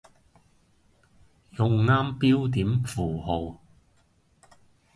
用啱標點符號